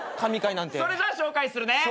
それじゃあ紹介するね。